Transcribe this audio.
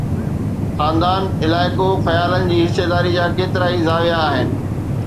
خاندان، علائقو، خيالن جي حصيداري جا ڪيترائي زاويه آهن.